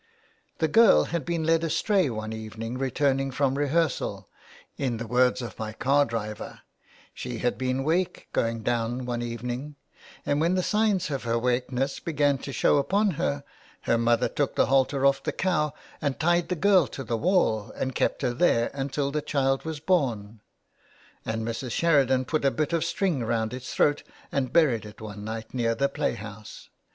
The girl had been led astray one evening returning from re hearsal — in the words of my car driver, '' She had been * wake ' going home one evening, and when the signs of her ' wakeness ' began to show upon her, her mother took the halter off the cow and tied the girl to the wall and kept her there until the child was born. And Mrs. Sheridan put a bit of string round its throat and buried it one night near the playhouse.